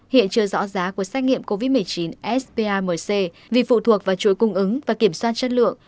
hiện chưa rõ giá của xét nghiệm covid một mươi chín spamc vì phụ thuộc vào chuỗi cung ứng và kiểm soát chất lượng